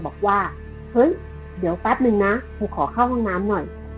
บอกว่าเฮ้ยเดี๋ยวแป๊บนึงนะครูขอเข้าห้องน้ำหน่อย